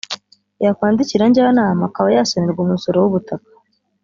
yakwandikira njyanama akaba yasonerwa umusoro w’ubutaka